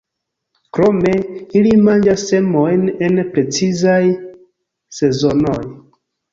Krome ili manĝas semojn en precizaj sezonoj.